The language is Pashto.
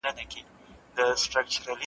دولتونه د متقابل درناوي پر بنسټ اړیکي پالي.